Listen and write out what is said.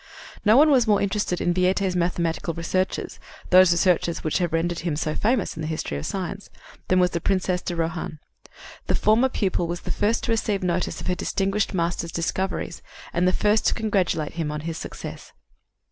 No one was more interested in Viète's mathematical researches those researches which have rendered him so famous in the history of science than was the Princess de Rohan. The former pupil was the first to receive notice of her distinguished master's discoveries and the first to congratulate him on his success.